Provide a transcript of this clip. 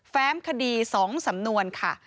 ้มคดี๒สำนวนค่ะ